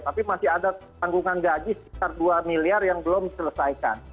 tapi masih ada tanggungan gaji sekitar dua miliar yang belum diselesaikan